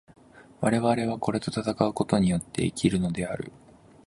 我々はこれと戦うことによって生きるのである。